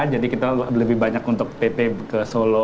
jadi kita lebih banyak untuk pp ke solo